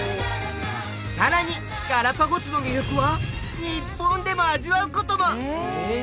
さらにガラパゴスの魅力は日本でも味わうことも！